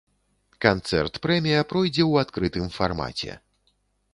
Канцэрт-прэмія пройдзе ў адкрытым фармаце.